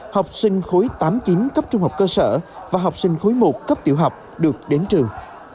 học sinh khối tám chín cấp trung học cơ sở và học sinh khối một cấp tiểu học được đến trường